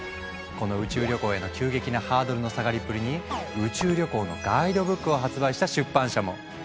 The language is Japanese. この宇宙旅行への急激なハードルの下がりっぷりに宇宙旅行のガイドブックを発売した出版社も！